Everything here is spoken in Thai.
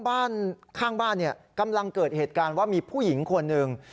บ้านข้างบ้านกำลังเกิดเหตุการณ์ว่ามีผู้หญิงคนหนึ่ง